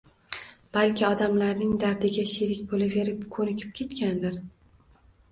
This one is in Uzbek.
Balki, odamlarning dardiga sherik bo‘laverib ko‘nikib ketgandir.